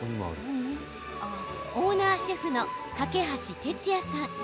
オーナーシェフの梯哲哉さん。